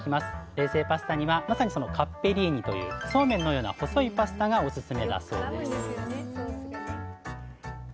冷製パスタにはまさにそのカッペリーニというそうめんのような細いパスタがオススメだそうです